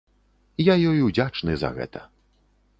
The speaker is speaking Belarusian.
Я ёй удзячны за гэта.